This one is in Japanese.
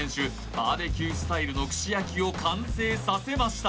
バーベキュースタイルの串焼きを完成させました